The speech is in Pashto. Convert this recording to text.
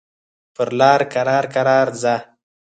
پر لاره کرار کرار ځه.